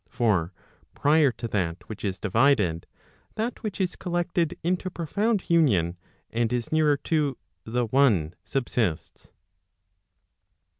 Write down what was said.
For prior to that which is divided, that which is collected into profound union, and is nearer to the one , subsists.